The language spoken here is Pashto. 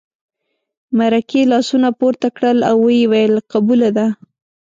مرکې لاسونه پورته کړل او ویې ویل قبوله ده.